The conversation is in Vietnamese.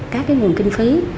các nguồn kinh phí